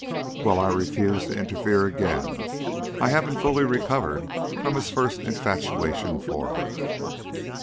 Well, I refuse to interfere again. I haven't fully recovered from his first infatuation for her."